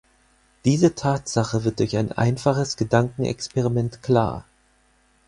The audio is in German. Diese Tatsache wird durch ein einfaches Gedankenexperiment klar.